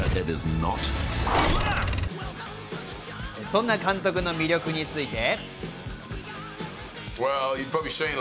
そんな監督の魅力について。